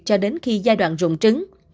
cho đến khi giai đoạn rụng trứng